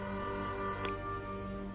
はい。